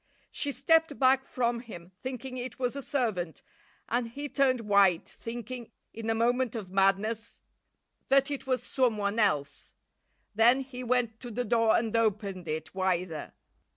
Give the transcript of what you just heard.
She stepped back from him, thinking it was a servant, and he turned white, thinking, in a moment of madness, that it was someone else; then he went to the door and opened it wider.